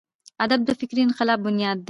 ادب د فکري انقلاب بنیاد دی.